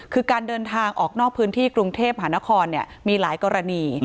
คือการเดินทางออกนอกพื้นที่กรุงเทพหานครมีหลายกรณี